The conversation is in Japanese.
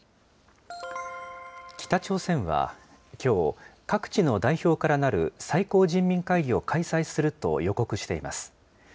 北朝鮮は、きょう、各地の代表からなる最高人民会議を開催すると予告しています。